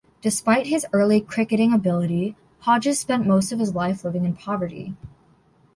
Despite his early cricketing ability Hodges spent most of his life living in poverty.